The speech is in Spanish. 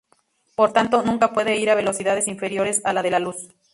Por tanto, nunca puede ir a velocidades inferiores a la de la luz.